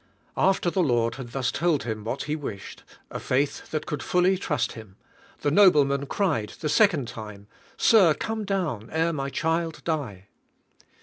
After the Lord had thus told him what He wished — a faith that could fully trust Him — the nobleman cried the second time, "Sir, come down ere m} child die."